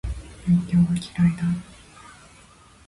勉強は嫌いだ